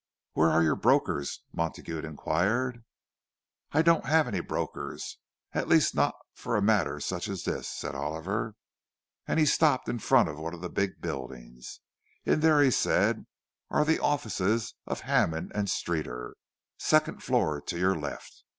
"Where are your brokers?" Montague inquired. "I don't have any brokers—at least not for a matter such as this," said Oliver. And he stopped in front of one of the big buildings. "In there," he said, "are the offices of Hammond and Streeter—second floor to your left.